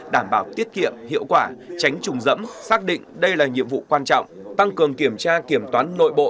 đảm bảo tiết kiệm hiệu quả tránh trùng dẫm xác định đây là nhiệm vụ quan trọng tăng cường kiểm tra kiểm toán nội bộ